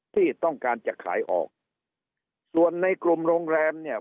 ที่ต้องการจะขายออกส่วนในกลุ่มโรงแรมเนี่ย